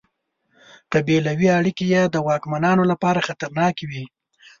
قبیلوي اړیکې یې د واکمنانو لپاره خطرناکې وې.